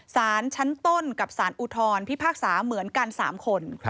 สารชั้นต้นกับสารอุทธรพิพากษาเหมือนกัน๓คน